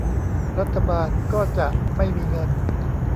รัฐบาลก็จะไม่มีเงิน